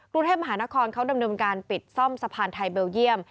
กรุงเทพมหานครเขาดำเนินการปิดซ่อมสะพานไทยเบลเยี่ยม